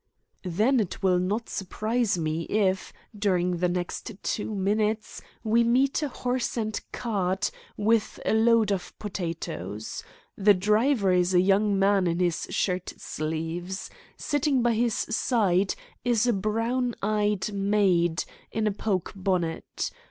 "Then it will not surprise me if, during the next two minutes, we meet a horse and cart with a load of potatoes. The driver is a young man in his shirt sleeves. Sitting by his side is a brown eyed maid in a poke bonnet.